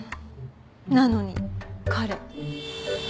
なのに彼。